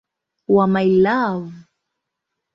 wa "My Love".